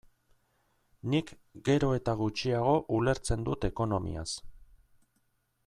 Nik gero eta gutxiago ulertzen dut ekonomiaz.